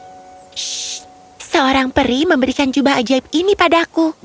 shh seorang peri memberikan jubah ajaib ini padaku